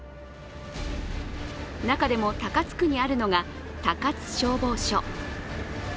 中でも高津区にあるのが高津消防署。